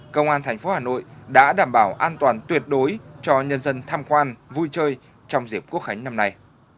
công an thành phố hà nội đã đảm bảo an toàn tuyệt đối cho nhân dân tham quan vui chơi trong dịp quốc khánh năm nay